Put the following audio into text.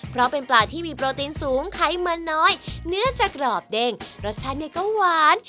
เพราะเป็นปลาที่มีโปรตีนสูงไขมันน้อยเนื้อจะกรอบเด้งรสชาติเนี่ยก็หวาน